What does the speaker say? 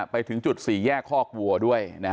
ไปถึงจุด๔แยกคอกวัวด้วย